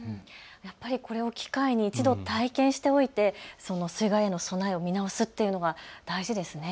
やっぱり、これを機会に１度、体験しておいて水害への備えを見直すというのは大事ですね。